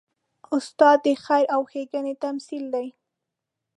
استاد د خیر او ښېګڼې تمثیل دی.